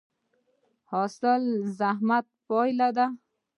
حاصل د زحمت پایله ده؟